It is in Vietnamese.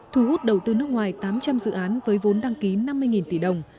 thu hút đầu tư nước ngoài tám trăm linh dự án với vốn đăng ký năm mươi tỷ đồng